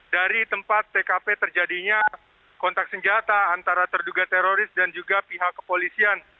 dari tempat tkp terjadinya kontak senjata antara terduga teroris dan juga pihak kepolisian